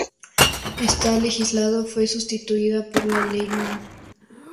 Esta legislación fue sustituida por la Ley Núm.